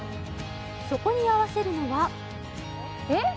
そこに合わせるのはえっ！？